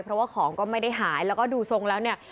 เพราะว่าของก็ไม่ได้หายแล้วก็ดูทรงแล้วเนี่ย